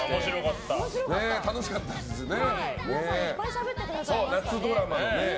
楽しかったですね。